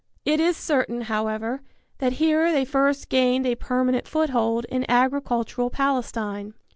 It is certain, however, that here they first gained a permanent foothold in agricultural Palestine.